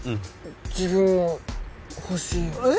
自分も欲しいえっ？